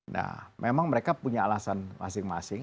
nah memang mereka punya alasan masing masing